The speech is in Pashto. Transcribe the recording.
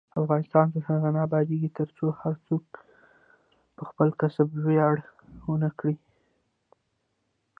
افغانستان تر هغو نه ابادیږي، ترڅو هر څوک په خپل کسب ویاړ ونه کړي.